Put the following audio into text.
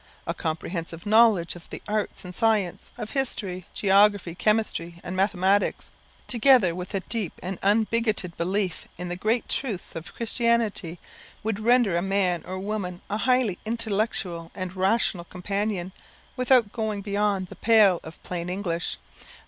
A comprehensive knowledge of the arts and sciences, of history, geography, chemistry, and mathematics, together with a deep and unbigoted belief in the great truths of Christianity, would render a man or woman a highly intellectual and rational companion, without going beyond the pale of plain English.